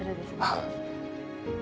はい。